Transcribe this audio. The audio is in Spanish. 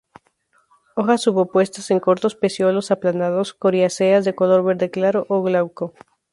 Hojas subopuestas en cortos pecíolos aplanados, coriáceas, de color verde claro a glauco.